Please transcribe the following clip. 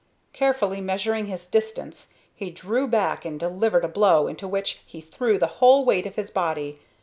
Carefully measuring his distance, he drew back and delivered a blow into which he threw the whole weight of his body.